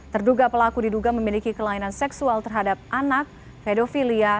terduga pelaku diduga memiliki kelainan seksual terhadap anak pedofilia